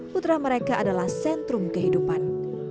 putra mereka adalah sentrum kehidupan